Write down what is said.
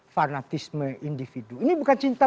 fanatisme individu ini bukan cinta